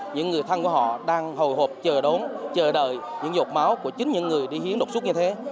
những người thân của họ đang hồi hộp chờ đợi những giọt máu của chính những người đi hiến đột xuống như thế